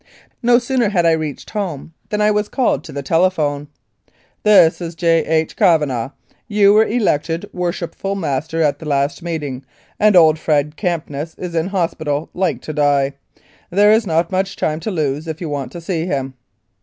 No sooner had I reached home than I was called to the telephone : "This is J. H. Cavanah. You were elected Worshipful Master at the last meeting, and old Fred Champness is in hospital, like to die. There is not much time to lose if you want to see him."